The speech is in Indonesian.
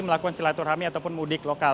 melakukan silaturahmi ataupun mudik lokal